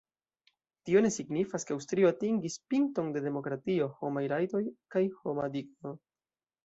Tio ne signifas, ke Aŭstrio atingis pinton de demokratio, homaj rajtoj kaj homa digno.